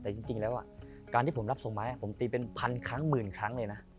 แต่จริงแล้วการที่ผมรับส่งไม้ผมตีเป็นพันครั้งหมื่นครั้งเลยนะ